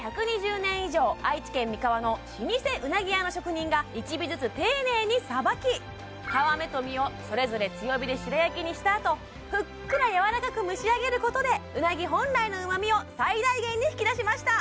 １２０年以上愛知県三河の老舗うなぎ屋の職人が一尾ずつ丁寧にさばき皮目と身をそれぞれ強火で白焼きにしたあとふっくらやわらかく蒸し上げることでうなぎ本来の旨みを最大限に引き出しました